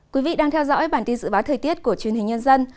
quý vị đang theo dõi bản tin dự báo thời tiết của truyền hình nhân dân